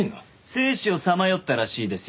生死をさまよったらしいですよ